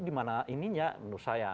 dimana ininya menurut saya